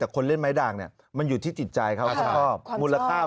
แต่คนเล่นไม้ด่างนี่มันอยู่ที่จิตใจเขาครับ